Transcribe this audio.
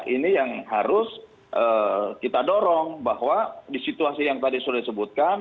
ini yang harus kita dorong bahwa di situasi yang tadi sudah disebutkan